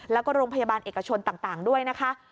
แล้วก็โรงพยาบาลเอกชนต่างด้วยนะคะ